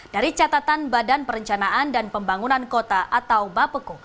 dari catatan badan perencanaan dan pembangunan kota atau bapeko